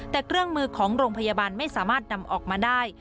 แต่เครื่องมือของโรงพยาบาลไม่สามารถนำออกมาได้